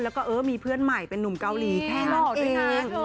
แล้วก็เออมีเพื่อนใหม่เป็นนุ่มเกาหลีแค่ล่อตัวเอง